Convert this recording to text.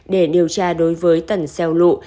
để điều tra đối với tần xeo lụ